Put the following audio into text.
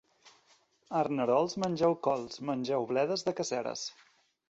Arnerols, mengeu cols, mengeu bledes de Caseres.